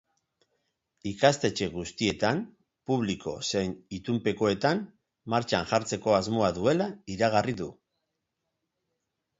Ikastetxe guztietan, publiko zein itunpekoetan, martxan jartzeko asmoa duela iragarri du.